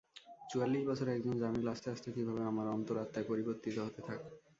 চুয়াল্লিশ বছরে একজন জামিল আস্তে আস্তে কীভাবে আমার অন্তরাত্মায় পরিবর্তিত হতে থাকে।